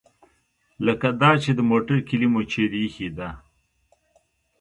لکه دا چې د موټر کیلي مو چیرې ایښې ده.